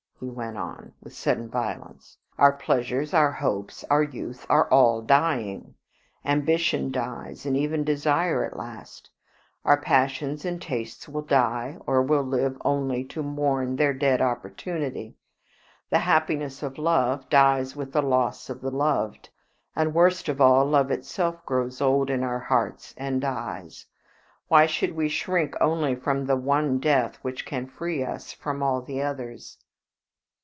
he went on, with sudden violence. "Our pleasures, our hopes, our youth are all dying; ambition dies, and even desire at last; our passions and tastes will die, or will live only to mourn their dead opportunity. The happiness of love dies with the loss of the loved, and, worst of all, love itself grows old in our hearts and dies. Why should we shrink only from the one death which can free us from all the others?"